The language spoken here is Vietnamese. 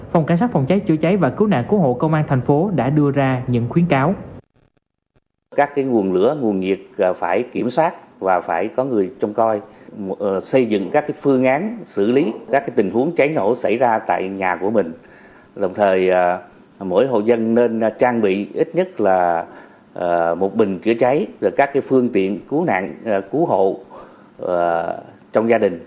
phòng cảnh sát phòng cháy chữa cháy và cứu nạn cứu hộ công an thành phố đã đưa ra những khuyến cáo